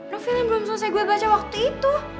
novel yang belum selesai gue baca waktu itu